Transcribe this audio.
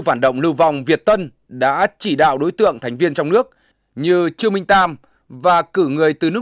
vòng việt tân đã chỉ đạo đối tượng thành viên trong nước như chư minh tam và cử người từ nước